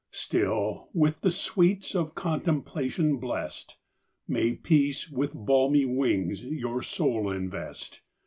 Still, with the sweets of contemplation bless'd, May peace with balmy wings your soul invest!